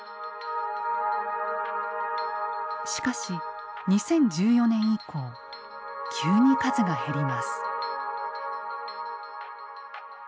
しかし２０１４年以降急に数が減ります。